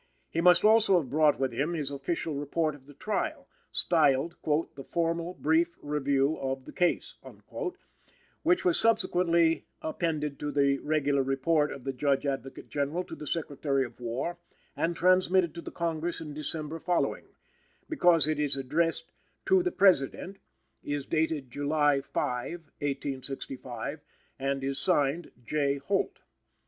He must also have brought with him his official report of the trial styled "The formal brief review of the case," which was subsequently appended to the regular Report of the Judge Advocate General to the Secretary of War and transmitted to the Congress in December following because it is addressed "To the President," is dated "July 5, 1865," and is signed "J. Holt."